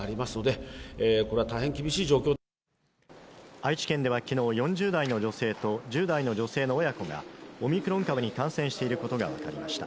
愛知県ではきのう４０代の女性と１０代の女性の親子がオミクロン株に感染していることが分かりました